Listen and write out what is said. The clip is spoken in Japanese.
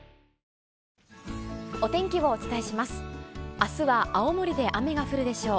あすは青森で雨が降るでしょう。